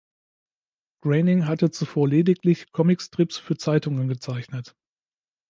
Groening hatte zuvor lediglich Comicstrips für Zeitungen gezeichnet.